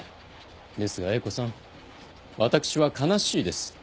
ですが英子さん私は悲しいです。